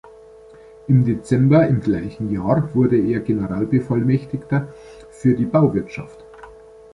Im Dezember im gleichen Jahr wurde er Generalbevollmächtigter für die Bauwirtschaft.